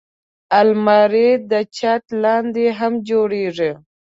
الماري د چت لاندې هم جوړېږي